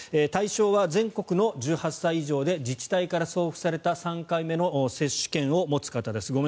対象は全国の１８歳以上で自治体から送付された３回目の接種券を持つ方です。